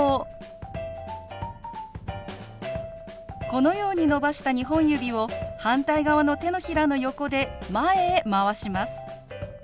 このように伸ばした２本指を反対側の手のひらの横で前へ回します。